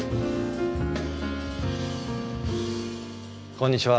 こんにちは。